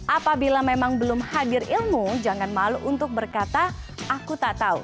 apabila memang belum hadir ilmu jangan malu untuk berkata aku tak tahu